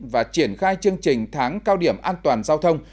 và triển khai chương trình tháng cao điểm an toàn giao thông